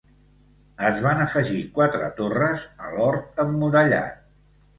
Es van afegir quatre torres a l'hort emmurallat.